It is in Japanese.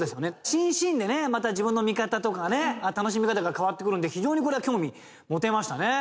シーンシーンでねまた自分の見方とか楽しみ方が変わって来るんで非常にこれは興味持てましたね。